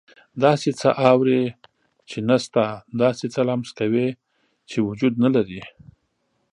داسې څه اوري چې نه شته، داسې څه لمس کوي چې وجود نه لري.